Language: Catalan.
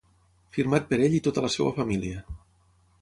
Firmat per ell i tota la seva família.